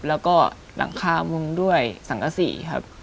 แล้วก็ลังข้ามุมด้วยสังกะสิครับ